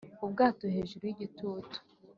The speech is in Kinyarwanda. ubwato hejuru yigitutu